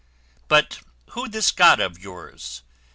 But who this god of yours?